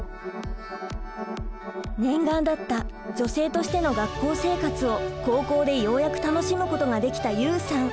念願だった女性としての学校生活を高校でようやく楽しむことができたユウさん！